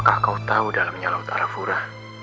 kak sam ngerah ya